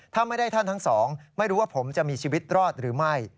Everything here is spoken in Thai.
ถ้าไม่ได้ท่านทั้งสองไม่รู้ว่าผมจะมีชีวิตรอดหรือไม่